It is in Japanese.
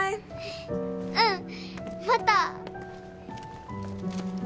うんまた。